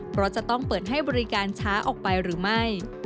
เพราะจะต้องเปิดให้บริการช้าออกไปหรือไม่